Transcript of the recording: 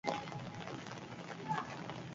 Bestetik, honakoa ere izan daiteke.